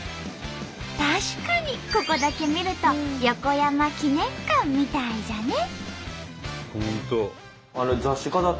確かにここだけ見ると横山記念館みたいじゃね！